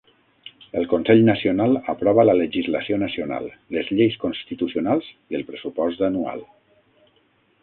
El Consell Nacional aprova la legislació nacional, les lleis constitucionals i el pressupost anual.